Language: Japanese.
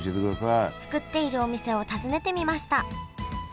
作っているお店を訪ねてみました。